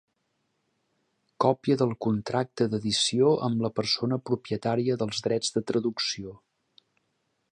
Còpia del contracte d'edició amb la persona propietària dels drets de traducció.